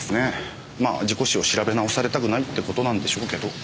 まあ事故死を調べ直されたくないって事なんでしょうけど。